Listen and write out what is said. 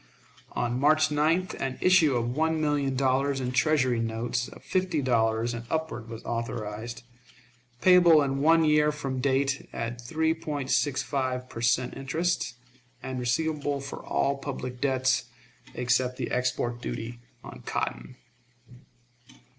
On March 9th an issue of one million dollars in Treasury notes of fifty dollars and upward was authorized, payable in one year from date, at 3.65 per cent. interest, and receivable for all public debts except the export duty on cotton.